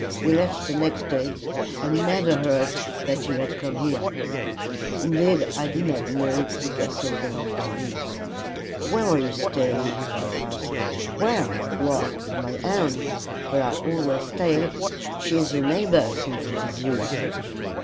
We left the next day, and never heard that you had come there; indeed, I did not know the castle belonged to you." "Where were you staying?" I asked "Where? Why, with my aunt, where I always stay. She is your neighbor, since it is you."